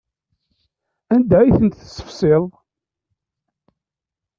Anda ay ten-tessefsiḍ?